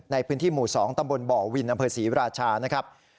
ในพื้นที่หมู่๒ตำบลบ่อวินอำเภอศรีราชานะครับ